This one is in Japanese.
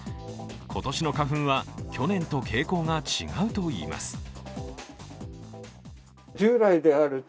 今年の花粉は去年と傾向が違うといいます。